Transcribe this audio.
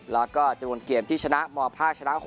แล้วก็จำนวนเกมที่ชนะม๕ชนะ๖